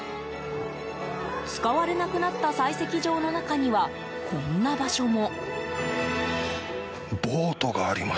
使われなくなった採石場の中にはこんな場所も。